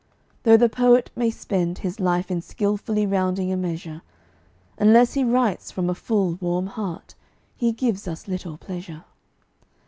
Though the poet may spend his life in skilfully rounding a measure, Unless he writes from a full, warm heart he gives us little pleasure.